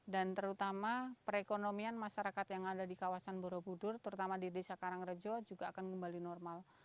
dan terutama perekonomian masyarakat yang ada di kawasan borobudur terutama di desa karangrejo juga akan kembali normal